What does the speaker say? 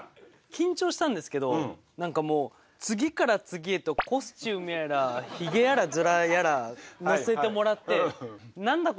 緊張したんですけど何かもう次から次へとコスチュームやらひげやらヅラやらのせてもらって何だ？